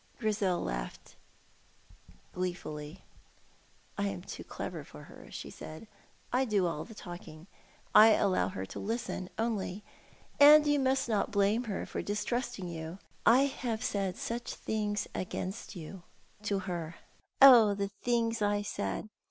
Grizel laughed gleefully. "I am too clever for her," she said. "I do all the talking. I allow her to listen only. And you must not blame her for distrusting you; I have said such things against you to her! Oh, the things I said!